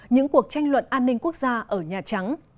những cuộc tranh luận an ninh quốc gia ở nhà trắng